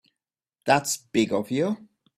That's big of you.